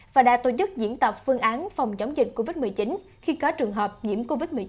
và đã tổ chức diễn tập phương án phòng chống dịch covid một mươi chín khi có trường hợp nhiễm covid một mươi chín